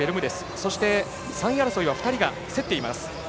そして、３位争いは２人が競っています。